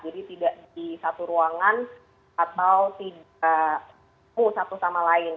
jadi tidak di satu ruangan atau tidak satu sama lain